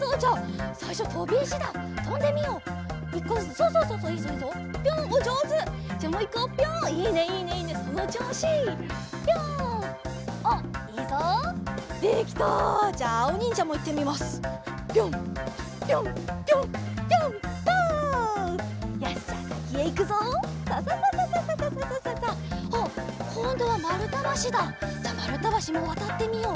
じゃまるたばしもわたってみよう。